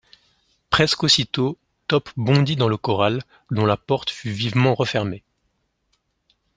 Presque aussitôt Top bondit dans le corral, dont la porte fut vivement refermée.